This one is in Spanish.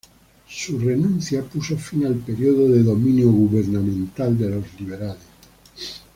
Su renuncia puso fin al periodo de dominio gubernamental de los liberales.